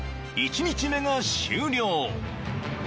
１日目が終了］